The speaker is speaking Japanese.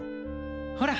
ほら。